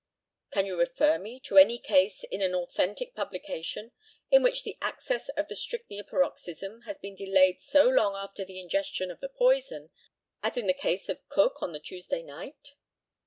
Can you refer me to any case in an authentic publication in which the access of the strychnia paroxysm has been delayed so long after the ingestion of the poison, as in the case of Cook on the Tuesday night?